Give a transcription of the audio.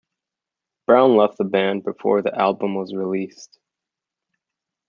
Brown left the band before the album was released.